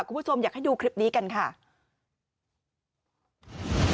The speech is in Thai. คุณผู้ชมอยากให้ดูคลิปนี้กันค่ะ